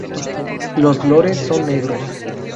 Los lores son negros.